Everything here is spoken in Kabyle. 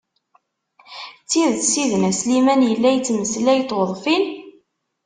S tidet sidna Sliman yella yettmeslay d tweḍfin?